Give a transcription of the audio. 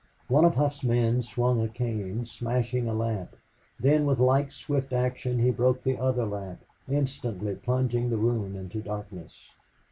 One of Hough's friends swung a cane, smashing a lamp; then with like swift action he broke the other lamp, instantly plunging the room into darkness.